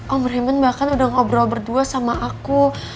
om rehimen bahkan udah ngobrol berdua sama aku